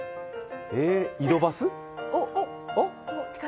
井戸バス？